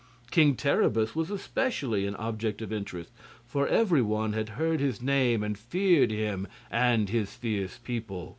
King Terribus was especially an object of interest, for every one had heard his name and feared him and his fierce people.